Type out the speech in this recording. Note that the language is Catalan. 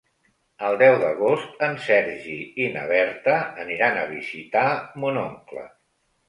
El deu d'agost en Sergi i na Berta aniran a visitar mon oncle.